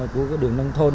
của cái đường nông thôn